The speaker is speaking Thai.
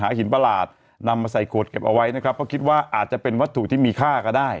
หินประหลาดนำมาใส่ขวดเก็บเอาไว้นะครับเพราะคิดว่าอาจจะเป็นวัตถุที่มีค่าก็ได้